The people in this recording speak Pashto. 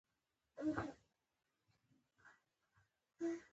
د هر نوع وسلې او وژونکو وسایلو مخنیوی کول.